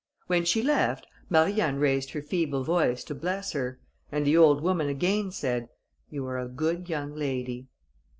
When she left, Marianne raised her feeble voice to bless her; and the old woman again said, "You are a good young lady."